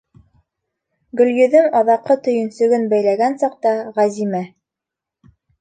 Гөлйөҙөм аҙаҡҡы төйөнсөгөн бәйләгән саҡта, Ғәзимә: